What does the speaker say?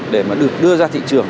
để mà được đưa ra thị trường